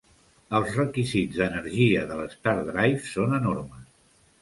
Els requisits d'energia de l'"stardrive" són enormes.